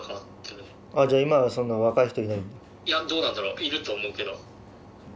いやどうなんだろういると思うけど。